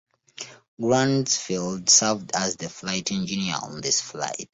Grunsfeld served as the flight engineer on this flight.